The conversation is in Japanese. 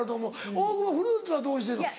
大久保フルーツはどうしてんの？